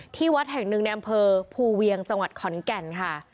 ที่วัดแห่งหนึ่งในอำเภอภูเวียงจังหวัดขอนแก่นค่ะ